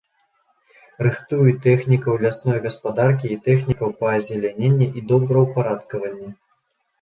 Рыхтуе тэхнікаў лясной гаспадаркі і тэхнікаў па азеляненні і добраўпарадкаванні.